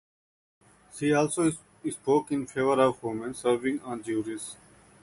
She also spoke in favor of women serving on juries.